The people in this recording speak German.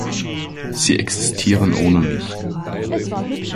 Sie existieren ohne mich.